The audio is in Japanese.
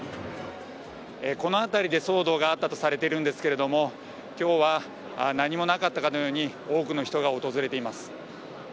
この辺りで騒動があったとされているんですが今日は何もなかったかのように多くの人が訪れています。